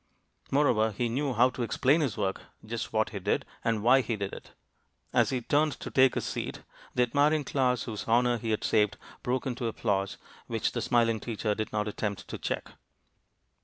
Moreover, he knew how to explain his work, just what he did, and why he did it. As he turned to take his seat, the admiring class, whose honor he had saved, broke into applause, which the smiling teacher did not attempt to check.